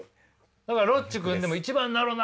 だからロッチ組んでも「一番なろな！」